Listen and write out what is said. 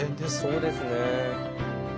そうですね。